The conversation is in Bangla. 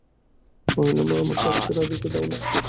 কহিল, মা, আমাকে আজকে রাঁধিতে দাও-না।